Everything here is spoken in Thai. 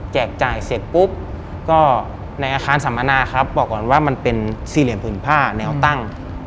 จ่ายเสร็จปุ๊บก็ในอาคารสัมมนาครับบอกก่อนว่ามันเป็นสี่เหลี่ยมผืนผ้าแนวตั้ง